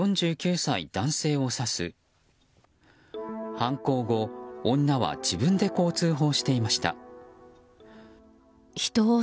犯行後、女は自分でこう通報していました。